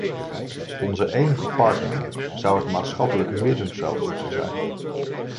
Onze enige partner zou het maatschappelijk middenveld moeten zijn.